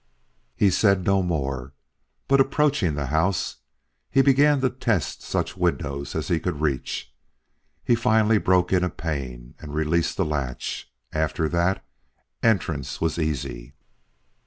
He said no more, but approaching the house, began to test such windows as he could reach. He finally broke in a pane and released the latch; after that, entrance was easy.